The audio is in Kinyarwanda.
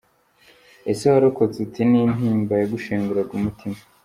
Ese warokotse ute, N’intimba yagushenguraga umutima